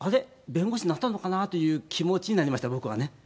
弁護士になったのかな？という気持ちになりました、僕はね。